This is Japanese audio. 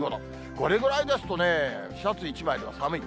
これぐらいですとね、シャツ１枚では寒い。